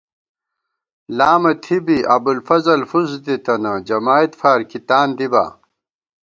لامہ تھی بی ابوالفضل فُس دِتِنہ ، جمائید فار کی تان دِبا